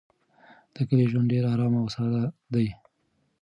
د کلي ژوند ډېر ارام او ساده دی.